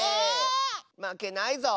まけないぞ！